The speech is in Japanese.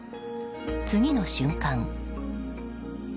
次の瞬間。